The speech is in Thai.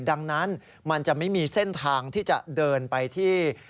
ดังนั้นมันจะไม่มีเส้นทางที่จะเดินไปที่